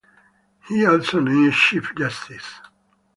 He also named a Chief Justice.